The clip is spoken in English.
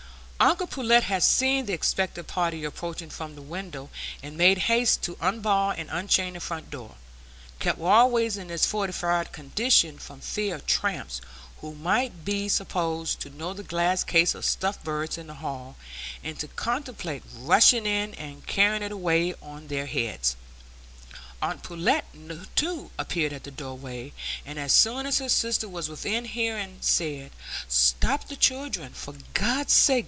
Uncle Pullet had seen the expected party approaching from the window, and made haste to unbar and unchain the front door, kept always in this fortified condition from fear of tramps, who might be supposed to know of the glass case of stuffed birds in the hall, and to contemplate rushing in and carrying it away on their heads. Aunt Pullet, too, appeared at the doorway, and as soon as her sister was within hearing said, "Stop the children, for God's sake!